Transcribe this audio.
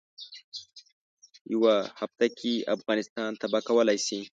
یوه هفته کې افغانستان تباه کولای شي.